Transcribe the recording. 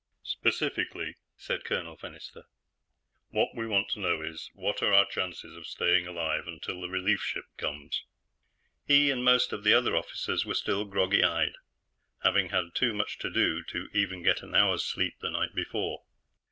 "Specifically," said Colonel Fennister, "what we want to know is: What are our chances of staying alive until the relief ship comes?" He and most of the other officers were still groggy eyed, having had too much to do to even get an hour's sleep the night before.